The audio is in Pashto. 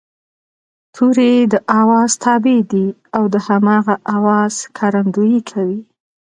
توری د آواز تابع دی او د هماغه آواز ښکارندويي کوي